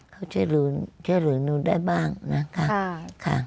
เขาช่วยรู้ช่วยรู้หนูได้บ้างนะคะ